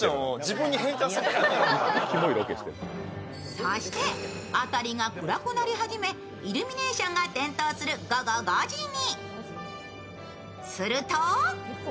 そして辺りが暗くなり始めイルミネーションが点灯する午後５時に。